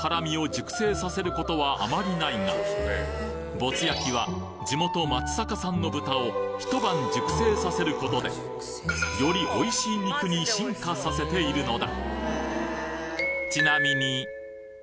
ぼつ焼は地元松阪産の豚をひと晩熟成させる事でよりおいしい肉に進化させているのだ